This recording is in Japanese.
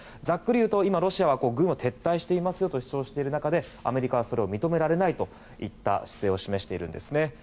ざっくり言うとロシアは軍を撤退していますよと主張している中で、アメリカはそれは認められないといった姿勢を示しているんです。